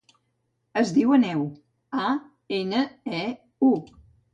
Es diu Aneu: a, ena, e, u.